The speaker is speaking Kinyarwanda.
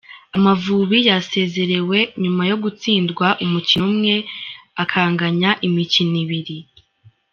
Amavubi yasezerewe nyuma yo gutsindwa umukino umwe akanganya imikino ibiri.